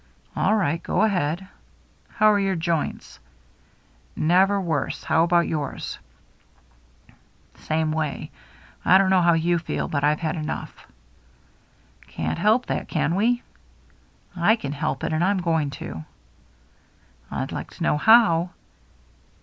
"All right. Go ahead." " How are your joints ?"" Never worse. How about yours ?" "Same way. I don't know how you feel, but I've had enough." " Can't help that, can we ?" "I can help it, and I'm going to." " I'd like to know how."